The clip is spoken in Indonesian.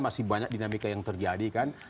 masih banyak dinamika yang terjadi kan